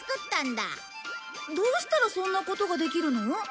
どうしたらそんなことができるの？